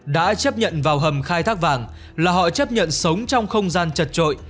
đã chấp nhận vào hầm khai thác vàng là họ chấp nhận sống trong không gian chật trội